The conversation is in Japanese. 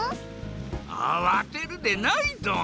あわてるでないドン。